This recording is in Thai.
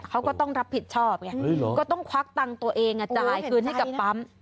เขาก็ต้องรับผิดชอบไงก็ต้องควักตังค์ตัวเองจ่ายคืนให้กับปั๊ม